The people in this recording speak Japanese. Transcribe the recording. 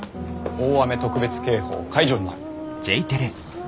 大雨特別警報解除になる。